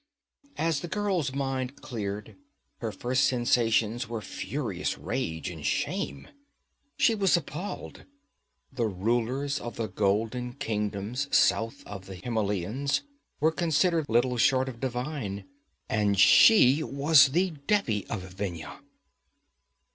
As the girl's mind cleared, her first sensations were furious rage and shame. She was appalled. The rulers of the golden kingdoms south of the Himelians were considered little short of divine; and she was the Devi of Vendhya!